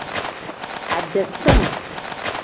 Ade sim.